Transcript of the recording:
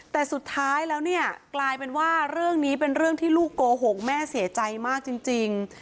แต่สุดท้ายแล้วเนี่ยกลายเป็นว่าเรื่องนี้เป็นเรื่องที่ลูกโกหกแม่เสียใจมากจริง